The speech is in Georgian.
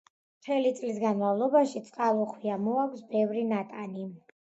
მთელი წლის განმავლობაში წყალუხვია, მოაქვს ბევრი ნატანი.